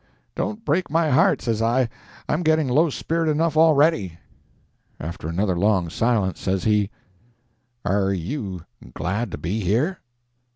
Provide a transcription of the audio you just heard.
"Don't break my heart," says I; "I'm getting low spirited enough already." After another long silence, says he— "Are you glad to be here?"